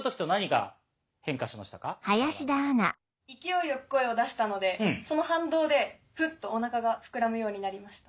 勢いよく声を出したのでその反動でフッとお腹が膨らむようになりました。